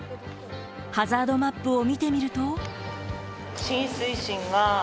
ハザードマップを見てみると。